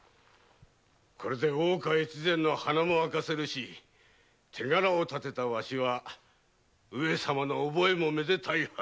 これで大岡の鼻も明かせるし手柄をたてたわしは上様の覚えもめでたいはず。